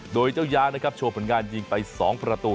โดยเจ้าย้านะครับโชว์ผลงานยิงไป๒ประตู